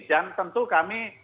dan tentu kami